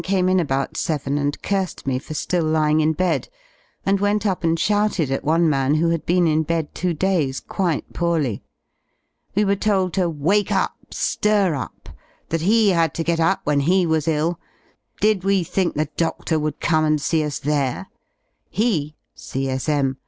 came in about seven and cursed me for ^ill lying in bed, and went up and shouted at one man who had been in bed two days quite poorly. We were told to vjake tip, ftir up; that he had to get up when he was ill. Did ive thmk the dodor would come and see ui there? He [C. S,M.